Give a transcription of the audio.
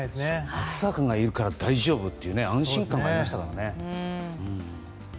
松坂がいるから大丈夫という安心感もありましたからね。